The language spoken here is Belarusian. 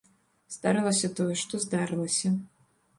Здарылася тое, што здарылася.